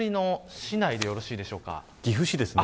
岐阜市ですね。